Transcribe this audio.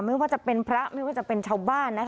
ไม่ว่าจะเป็นพระไม่ว่าจะเป็นชาวบ้านนะคะ